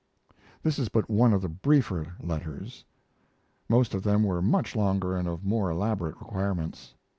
This is but one of the briefer letters. Most of them were much longer and of more elaborate requirements.